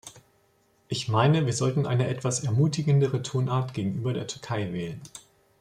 Ich meine, wir sollten eine etwas ermutigendere Tonart gegenüber der Türkei wählen.